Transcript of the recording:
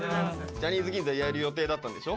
「ジャニーズ銀座」でやる予定だったんでしょ？